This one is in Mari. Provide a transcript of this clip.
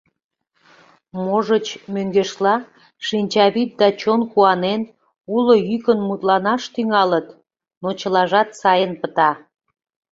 Можыч, мӧҥгешла, шинчавӱд да чон куанен, уло йӱкын мутланаш тӱҥалыт, но чылажат сайын пыта!